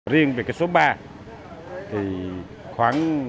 riêng về số ba